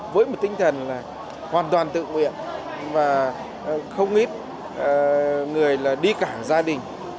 với một tinh thần hoàn toàn tự nguyện và không ít người đi cảng gia đình